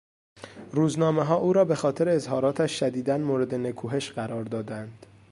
روزنامهها او را به خاطر اظهاراتش شدیدا مورد نکوهش قرار دادند.